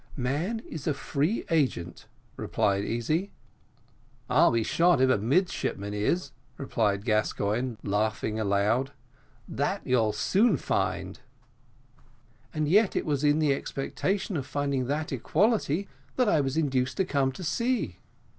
"Man is a free agent," replied Easy. "I'll be shot if a midshipman is," replied Gascoigne, laughing, "and that you'll soon find." "And yet it was the expectation of finding that equality that I was induced to come to sea."